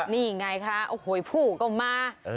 นี่ไงค่ะโห้ผู้ก็มา